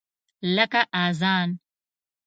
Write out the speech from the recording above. لکه اذان !